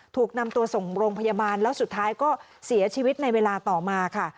ถูกนำตัวส่งโรงพยาบาลแล้วสุดท้ายก็เสียชีวิตในเวลาต่อมาค่ะ